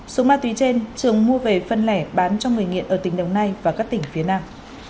số ma túy trên trường mua về phân lẻ bán cho người nghiện ở tỉnh đồng nai và các tỉnh phía nam